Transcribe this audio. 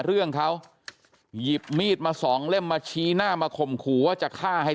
เรื่องเขาหยิบมีดมาสองเล่มมาชี้หน้ามาข่มขู่ว่าจะฆ่าให้